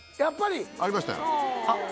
やっぱり？ありましたよ。